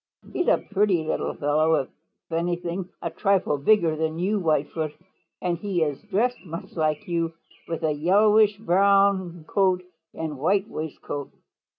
"He is a pretty little fellow, if anything a trifle bigger than you, Whitefoot, and he is dressed much like you with a yellowish brown coat and white waistcoat.